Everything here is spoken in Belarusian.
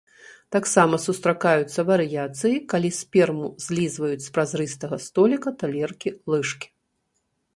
Таксама сустракаюцца варыяцыі, калі сперму злізваюць з празрыстага століка, талеркі, лыжкі.